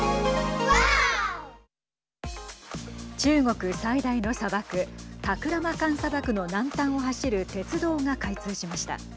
中国最大の砂漠タクラマカン砂漠の南端を走る鉄道が開通しました。